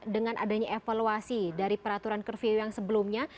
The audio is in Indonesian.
dengan adanya evaluasi dari peraturan curfew yang sebelumnya